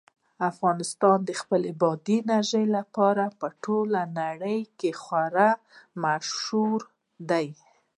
افغانستان د خپلې بادي انرژي لپاره په ټوله نړۍ کې خورا مشهور دی.